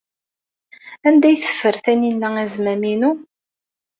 Anda ay teffer Taninna azmam-inu?